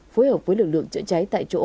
phối hợp với lực lượng chữa cháy tại chỗ